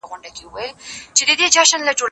کېدای سي شګه ناپاکه وي!؟